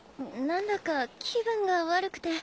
何だか気分が悪くて。